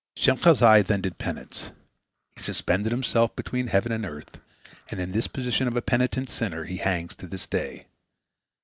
Shemhazai then did penance. He suspended himself between heaven and earth, and in this position of a penitent sinner he hangs to this day.